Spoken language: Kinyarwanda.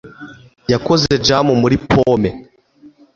yakoze jam muri pome